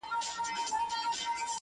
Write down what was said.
له هر ماښامه تر سهاره بس همدا کیسه وه؛